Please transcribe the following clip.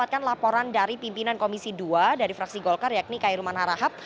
mendapatkan laporan dari pimpinan komisi dua dari fraksi golkar yakni kairulman harahap